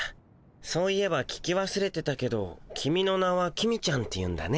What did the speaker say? そういえば聞きわすれてたけどキミの名は公ちゃんっていうんだね。